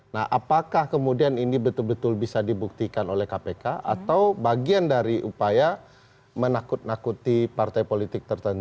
nah apakah kemudian ini betul betul bisa dibuktikan oleh kpk atau bagian dari upaya menakut nakuti partai politik